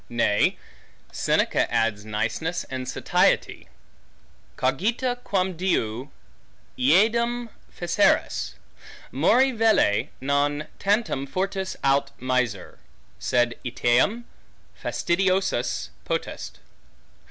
Nay, Seneca adds niceness and satiety: Cogita quamdiu eadem feceris; mori velle, non tantum fortis aut miser, sed etiam fastidiosus potest.